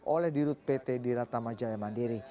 oleh dirut pt diratama jaya mandiri